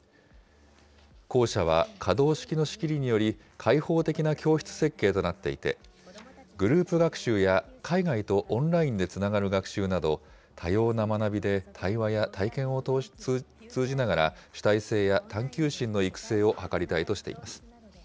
校舎は可動式の仕切りにより、開放的な教室設計となっていて、グループ学習や海外とオンラインでつながる学習など、多様な学びで対話や体験を通じながら、主体性や探究心の育成を図りたいとしています。